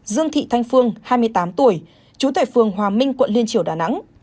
dương thị thanh phương hai mươi tám tuổi chú tuệ phương hòa minh quận liên triều đà nẵng